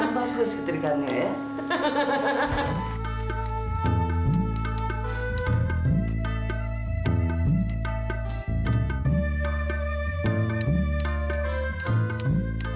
ya bagus ketirikannya ya